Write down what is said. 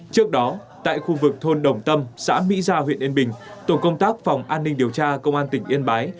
trước đó tại khu vực thôn đồng tâm xã mỹ gia huyện yên bình tổ công tác phòng an ninh điều tra công an tỉnh yên bái